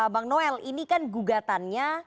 bang noel ini kan gugatannya